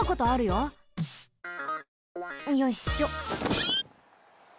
よいしょ。